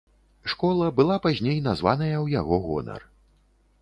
Школа была пазней названая ў яго гонар.